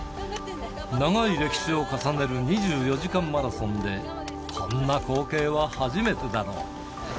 長い歴史を重ねる２４時間マラソンで、こんな光景は初めてだろう。